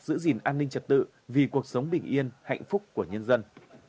giữ gìn an ninh trật tự vì cuộc sống bình yên hạnh phúc của nhân dân